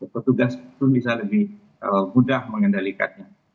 petugas itu bisa lebih mudah mengendalikannya